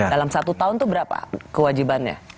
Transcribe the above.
dalam satu tahun itu berapa kewajibannya